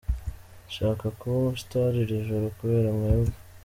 Nshaka kuba umustar iri joro kubera mwebwe.